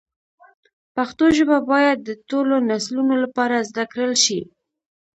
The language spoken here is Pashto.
پښتو ژبه باید د ټولو نسلونو لپاره زده کړل شي.